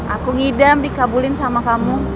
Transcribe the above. aku ngidam dikabulin sama kamu